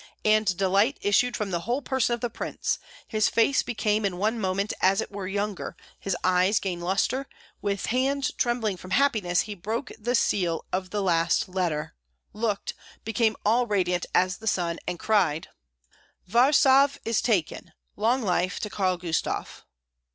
And delight issued from the whole person of the prince, his face became in one moment as it were younger, his eyes gained lustre; with hands trembling from happiness, he broke the seal of the last letter, looked, became all radiant as the sun, and cried, "Warsaw is taken! Long life to Karl Gustav!"